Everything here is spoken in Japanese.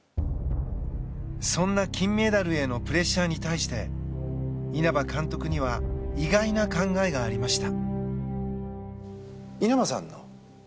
そんな金メダルへのプレッシャーに対して稲葉監督には意外な考えがありました。